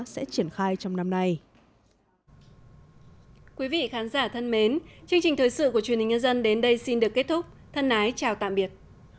xin chào tạm biệt